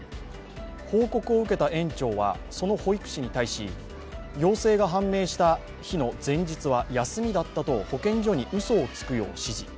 報告を受けた園長はその保育士に対し、陽性が判明した日の前日は休みだったと保健所にうそをつくよう指示。